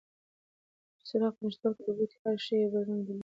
د څراغ په نشتوالي کې د کوټې هر شی یو بل رنګ درلود.